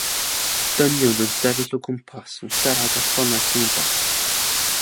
Dynion yn sefyll o gwmpas yn siarad ar ffonau symudol.